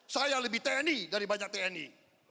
saya lebih tni dari banyak tni